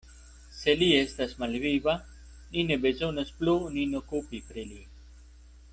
Se li estas malviva, ni ne bezonas plu nin okupi pri li.